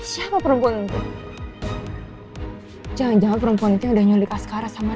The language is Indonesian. siapa pembunuh jangan jangan perempuan itu udah nyulik askara sama reina lagi